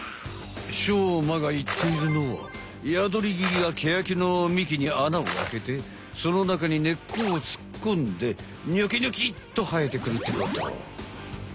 しょうまがいっているのはヤドリギがケヤキの幹に穴をあけてその中に根っこをつっこんでニョキニョキッとはえてくるってこと。